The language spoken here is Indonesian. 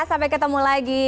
sampai ketemu lagi